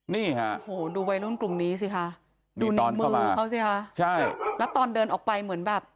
นี่ค่ะโอ้โหดูวัยรุ่นกลุ่มนี้สิคะดูในมือเขาสิคะใช่แล้วตอนเดินออกไปเหมือนแบบ